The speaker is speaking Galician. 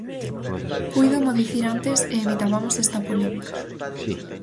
Púidomo dicir antes e evitabamos esta polémica.